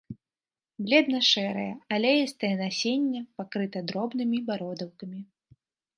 Бледна-шэрае, алеістае насенне пакрыта дробнымі бародаўкамі.